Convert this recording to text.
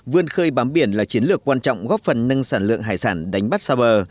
vươn khơi bám biển là chiến lược quan trọng góp phần nâng sản lượng hải sản đánh bắt xa bờ